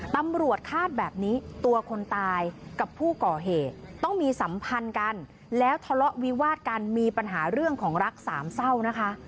ตำรวจคาดแบบนี้ตัวคนตายกับผู้ก่อเหตุต้องมีสัมพันธ์กันแล้วทะเลาะวิวาดกันมีปัญหาเรื่องของรักสามเศร้านะคะ